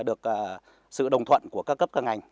được sự đồng thuận của các cấp các ngành